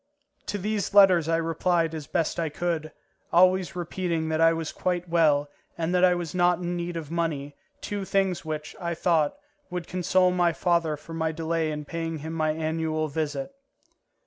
To these letters I replied as best I could, always repeating that I was quite well and that I was not in need of money, two things which, I thought, would console my father for my delay in paying him my annual visit.